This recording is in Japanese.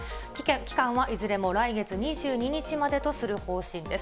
期間はいずれも来月２２日までとする方針です。